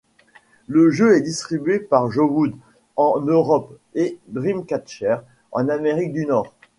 Le jeu est distribué par Jowood en Europe et Dreamcatcher en Amérique du Nord.